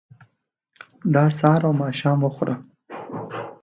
دا سهار او ماښام وخوره.